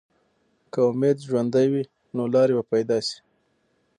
که امید ژوندی وي، نو لارې به پیدا شي.